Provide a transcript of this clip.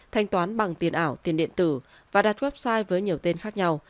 thanh toán bằng tiền ảo tiền điện tử và đặt website với nhiều tên khác nhau